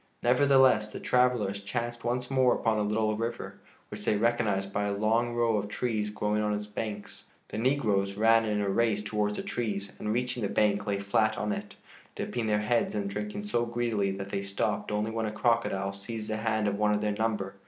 Nevertheless, the travelers chanced once more upon a little river, which they recognized by a long row of trees growing on its banks. The negroes ran in a race towards the trees and, reaching the bank, lay flat on it, dipping their heads and drinking so greedily that they stopped only when a crocodile seized the hand of one of their number.